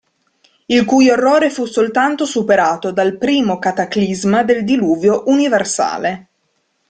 Il cui orrore fu soltanto superato dal primo cataclisma del diluvio universale.